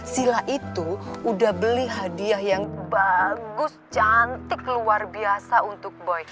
sila itu udah beli hadiah yang bagus cantik luar biasa untuk boy